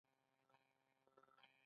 جین شارپ سیاسي لیدلوری وړاندې کوي.